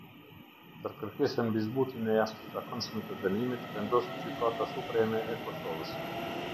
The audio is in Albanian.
Për kërkesën mbi zbutjen e jashtëzakonshme të dënimit vendos Gjykata Supreme e Kosovës.